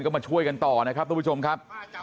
ก็มาช่วยกันต่อนะครับทุกผู้ชมครับ